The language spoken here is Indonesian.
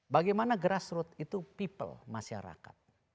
bagaimana grassroot itu people masyarakat